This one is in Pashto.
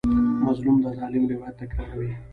مظلوم د ظالم روایت تکراروي.